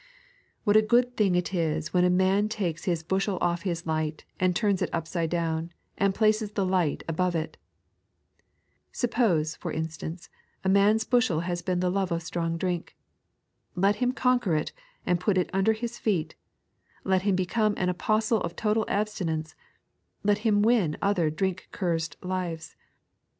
What a good thing it is when a man takes his bushel off his light and turns it upside down, and places the light above it ! Suppose, for instance, a man's bushel has been the love of strong drink. Let him conquer it, and put it under his feet; let him become an apostle of total absti nence; let bim win other drink cursed lives.